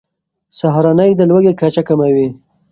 سهارنۍ د لوږې کچه کموي.